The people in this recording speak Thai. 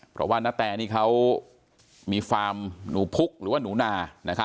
เพราะว่านาแตนี่เขามีฟาร์มหนูพุกหรือว่าหนูนา